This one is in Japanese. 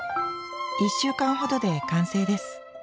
１週間ほどで完成です。